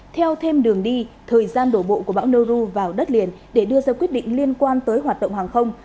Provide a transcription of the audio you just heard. theo thêm đường đi thời gian đổ bộ của bão noru vào đất liền để đưa ra quyết định liên quan tới hoạt động hàng không